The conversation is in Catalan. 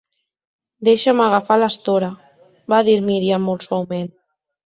"Deixa'm agafar l'estora, va dir Miriam molt suaument.